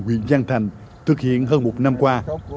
huyện giang thành thực hiện hơn một năm qua